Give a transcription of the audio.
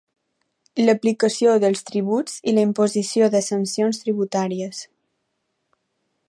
L'aplicació dels tributs i la imposició de sancions tributàries.